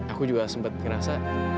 aku juga sempet ngerasa